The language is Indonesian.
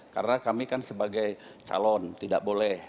karena kami kan sebagai calon tidak boleh